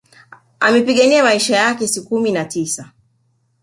Amepigania maisha yake kwa siku kumi na tisa